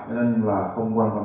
nên không quan tâm